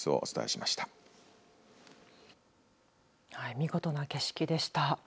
見事な景色でした。